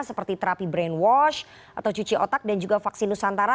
seperti terapi brainwash atau cuci otak dan juga vaksin nusantara